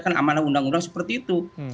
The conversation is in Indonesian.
kan amanah undang undang seperti itu